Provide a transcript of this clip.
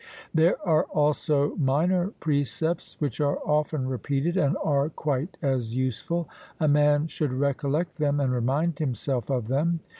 There are also minor precepts which are often repeated, and are quite as useful; a man should recollect them and remind himself of them.